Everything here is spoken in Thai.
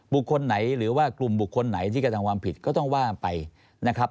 บุคคลไหนหรือว่ากลุ่มบุคคลไหนที่กระทำความผิดก็ต้องว่าไปนะครับ